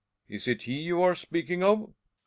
Is it he you are speaking of ?